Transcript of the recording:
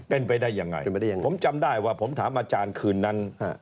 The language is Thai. เป็นไปได้ยังไงผมจำได้ว่าผมถามอาจารย์คืนนั้น